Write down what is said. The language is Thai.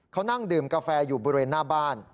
เขานั่งดื่มกาแฟอยู่บริเวณหน้าบ้าน